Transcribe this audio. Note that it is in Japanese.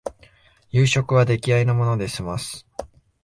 夕食は出来合いのもので済ます